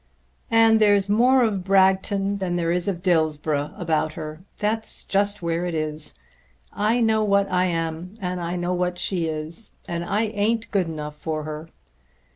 "And there's more of Bragton than there is of Dillsborough about her; that's just where it is. I know what I am and I know what she is, and I ain't good enough for her.